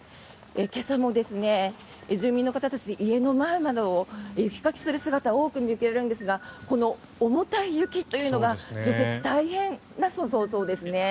今朝も住民の方たち家の前などを雪かきする姿が多く見受けられるんですがこの重たい雪というのが除雪が大変なんだそうです。